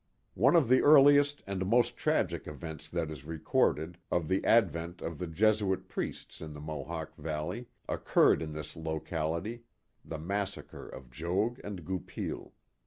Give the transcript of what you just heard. One of the earliest and most tragic events that is recorded, of the advent of the Jesuit priests in the Mohawk Valley, occurred in this locality, the massacre of Jogues and Goupil.